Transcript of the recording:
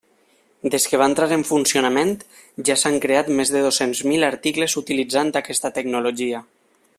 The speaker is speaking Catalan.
Des que va entrar en funcionament, ja s'han creat més de dos-cents mil articles utilitzant aquesta tecnologia.